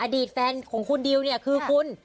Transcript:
อดีตแฟนของคุณดิวเนี่ยคือคุณ